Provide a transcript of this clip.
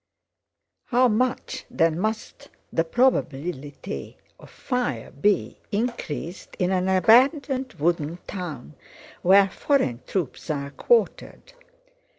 How much then must the probability of fire be increased in an abandoned, wooden town where foreign troops are quartered.